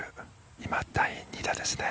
今、第２打ですね。